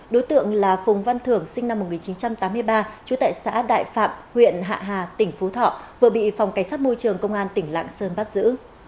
đối tượng là phùng văn thưởng sinh năm một nghìn chín trăm tám mươi ba trú tại xã đại phạm huyện hạ hà tỉnh phú thọ vừa bị phòng cảnh sát môi trường công an tỉnh lạng sơn bắt giữ